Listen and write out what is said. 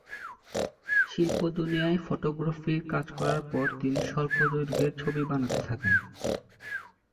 শিল্পদুনিয়ায় ফটোগ্রাফির কাজ করার পর তিনি স্বল্প দৈর্ঘ্যের ছবি বানাতে থাকেন।